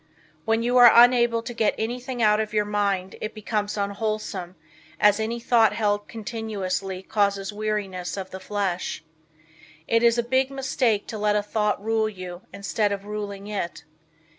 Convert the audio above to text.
When you are unable to get anything out of your mind it becomes unwholesome as any thought held continuously causes weariness of the flesh. It is a big mistake to let a thought rule you, instead of ruling it.